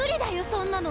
そんなの！